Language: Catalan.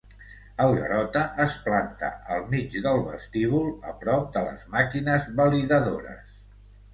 El Garota es planta al mig del vestíbul, a prop de les màquines validadores.